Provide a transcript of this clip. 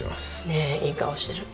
ねえいい顔してる。